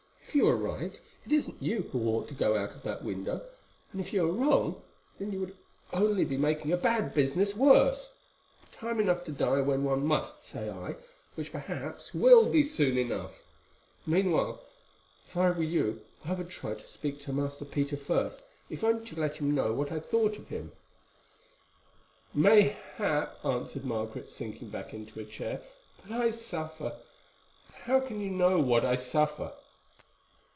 If you are right, it isn't you who ought to go out of that window; and if you are wrong, then you would only make a bad business worse. Time enough to die when one must, say I—which, perhaps, will be soon enough. Meanwhile, if I were you, I would try to speak to Master Peter first, if only to let him know what I thought of him." "Mayhap," answered Margaret, sinking back into a chair, "but I suffer—how can you know what I suffer?"